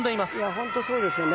本当そうですよね。